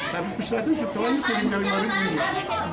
tapi pusat tim kebetulan kirim dari daftar penerima bantuan